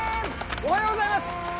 おはようございます。